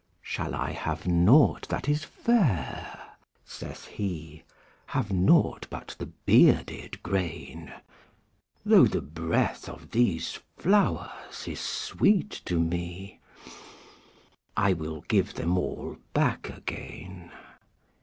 ``Shall I have nought that is fair?'' saith he; ``Have nought but the bearded grain? Though the breath of these flowers is sweet to me, I will give them all back again.''